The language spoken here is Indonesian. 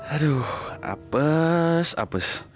aduh apes apes